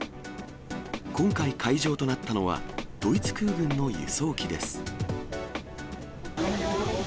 今回、会場となったのは、ドイツ空軍の輸送機です。